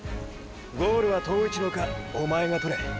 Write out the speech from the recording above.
ゴールは塔一郎かおまえが獲れ。